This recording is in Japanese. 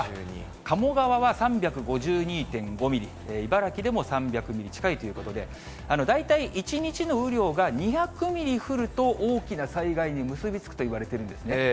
鴨川は３５２．５ミリ、茨城でも３００ミリ近いということで、大体１日の雨量が２００ミリ降ると、大きな災害に結び付くといわれているんですね。